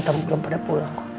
kamu belum pada pulang